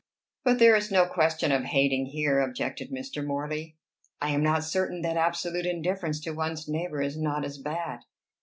"But there is no question of hating here," objected Mr. Morley. "I am not certain that absolute indifference to one's neighbor is not as bad.